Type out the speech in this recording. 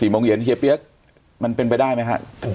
โมงเย็นเฮียเปี๊ยกมันเป็นไปได้ไหมฮะ